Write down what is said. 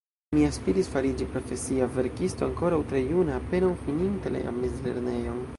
Mi aspiris fariĝi profesia verkisto ankoraŭ tre juna, apenaŭ fininte la mezlernejon.